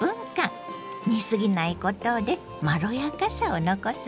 煮すぎないことでまろやかさを残すのよ。